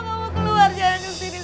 kamu keluar jangan kesini